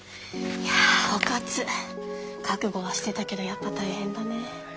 保活覚悟はしてたけどやっぱ大変だね。